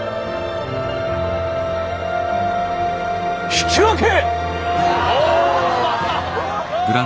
引き分け！